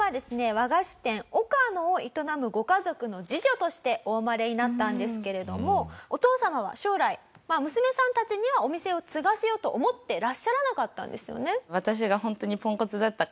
和菓子店をかのを営むご家族の次女としてお生まれになったんですけれどもお父様は将来娘さんたちにはお店を継がせようと思ってらっしゃらなかったんですよね。